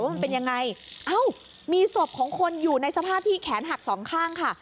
มันเป็นยังไงเอ้ามีศพของคนอยู่ในสภาพที่แขนหักสองข้างค่ะ